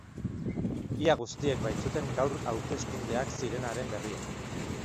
Ia guztiek baitzuten gaur hauteskundeak zirenaren berria.